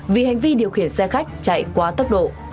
vì hành vi điều khiển xe khách chạy quá tốc độ